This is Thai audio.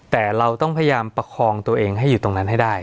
แต่เราต้องพยายามประคองตัวเองให้อยู่ตรงนั้นให้ได้